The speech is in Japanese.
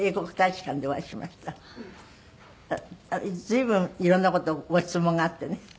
随分いろんな事をご質問があってね。